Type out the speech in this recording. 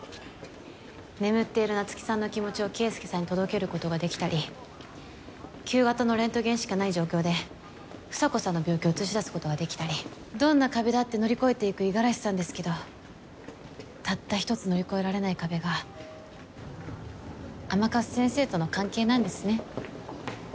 眠っている夏希さんの気持ちを圭介さんに届けることができたり旧型のレントゲンしかない状況で房子さんの病気を写し出すことができたりどんな壁だって乗り越えていく五十嵐さんですけどたった一つ乗り越えられない壁が甘春先生との関係なんですね。